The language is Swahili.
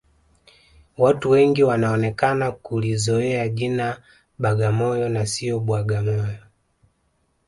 Watu wengi wanaonekana kulizoea jina bagamoyo na sio bwagamoyo